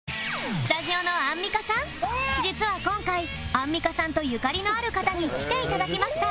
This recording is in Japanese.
スタジオのアンミカさん実は今回アンミカさんとゆかりのある方に来て頂きました